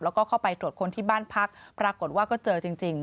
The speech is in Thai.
แล้วก็เข้าไปตรวจคนที่บ้านพักปรากฏว่าก็เจอจริง